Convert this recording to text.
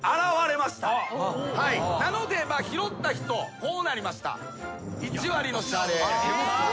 なので拾った人こうなりました。